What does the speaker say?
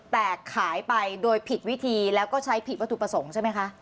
แต่ขายไปโดยผิดวิธีแล้วก็ใช้ผิดวัตถุประสงค์ใช่ไหมคะ